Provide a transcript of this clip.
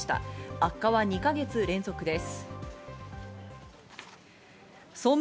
悪化は２か月連続です。